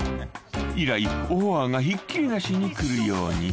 ［以来オファーがひっきりなしに来るように］